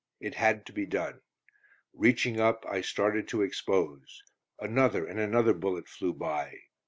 It had to be done; reaching up, I started to expose. Another and another bullet flew by.